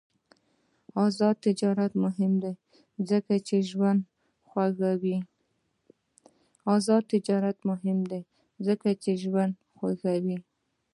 آزاد تجارت مهم دی ځکه چې ژوند خوږوي.